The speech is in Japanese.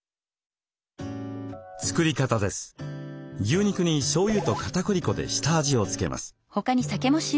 牛肉にしょうゆとかたくり粉で下味を付けます。